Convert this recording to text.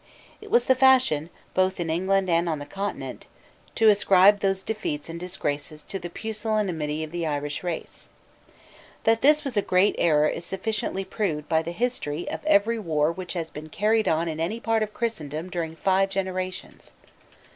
It was the fashion, both in England and on the Continent, to ascribe those defeats and disgraces to the pusillanimity of the Irish race, That this was a great error is sufficiently proved by the history of every war which has been carried on in any part of Christendom during five generations.